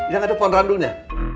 yang ada pohon randunya